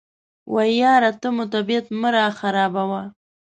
وایي یاره ته مو طبیعت مه راخرابوه.